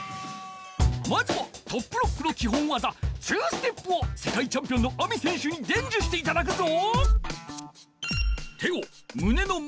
まずはトップロックのきほんわざ２ステップをせかいチャンピオンのＡＭＩ選手にでんじゅしていただくぞ！